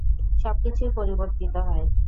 সবকিছুই পরিবর্তিত হয়।